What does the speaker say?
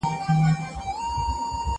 هغه وويل چي وخت تېریدل ضروري دي!!